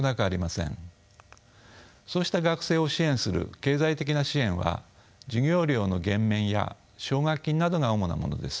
そうした学生を支援する経済的な支援は授業料の減免や奨学金などが主なものです。